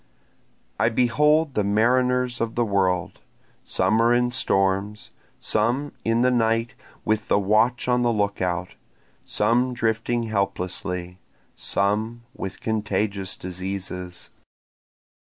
I behold the mariners of the world, Some are in storms, some in the night with the watch on the lookout, Some drifting helplessly, some with contagious diseases.